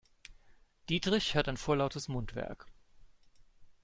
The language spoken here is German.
Dietrich hat ein vorlautes Mundwerk.